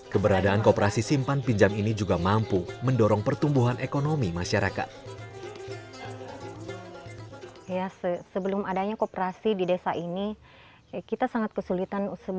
keberadaan kooperasi simpan pinjam ini juga mampu mendorong pertumbuhan ekonomi masyarakat